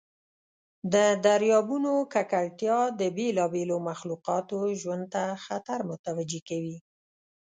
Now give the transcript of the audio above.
د دریابونو ککړتیا د بیلابیلو مخلوقاتو ژوند ته خطر متوجه کوي.